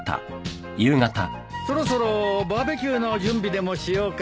そろそろバーベキューの準備でもしようか。